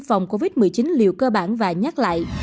phòng covid một mươi chín liều cơ bản và nhắc lại